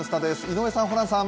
井上さん、ホランさん。